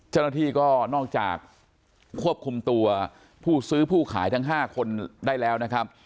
เจ้าหน้าที่ก็นอกจากควบคุมตัวผู้ซื้อผู้ขายทั้ง๕คนได้แล้วนะครับ